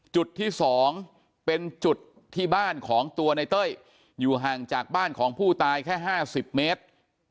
จุดที่๒เป็นจุดที่บ้านของตัวในเต้ยอยู่ห่างจากบ้านของผู้ตายแค่๕๐เมตร